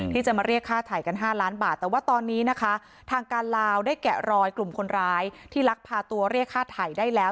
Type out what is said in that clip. ที่จะมาเรียกค่าถ่ายกัน๕ล้านบาทแต่ว่าตอนนี้นะคะทางการลาวได้แกะรอยกลุ่มคนร้ายที่ลักพาตัวเรียกค่าถ่ายได้แล้ว